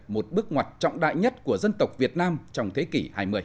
một bước ngoặt trọng đại nhất của dân tộc việt nam trong thế kỷ hai mươi